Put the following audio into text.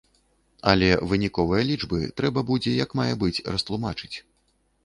Але выніковыя лічбы трэба будзе як мае быць растлумачыць.